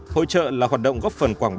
hội trợ là hoạt động góp phần quảng bá